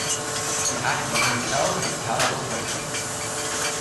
Behind the hotel his car was waiting.